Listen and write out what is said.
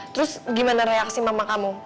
terus gimana reaksi mama kamu